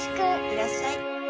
いらっしゃい。